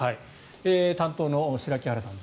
担当の白木原さん。